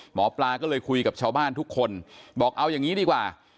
หมอปลาก็เลยคุยกับชาวบ้านทุกคนบอกเอาอย่างนี้ดีกว่า